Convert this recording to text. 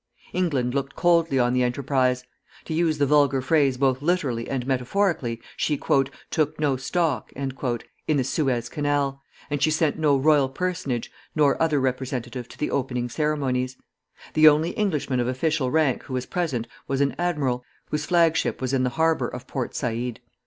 England looked coldly on the enterprise. To use the vulgar phrase both literally and metaphorically, she "took no stock" in the Suez Canal, and she sent no royal personage, nor other representative to the opening ceremonies; the only Englishman of official rank who was present was an admiral, whose flag ship was in the harbor of Port Saïd.